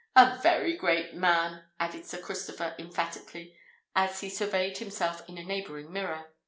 "A very great man," added Sir Christopher, emphatically, as he surveyed himself in a neighbouring mirror.